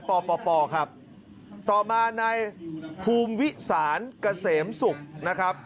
ปปครับต่อมาในภูมิวิสานเกษมศุกร์นะครับ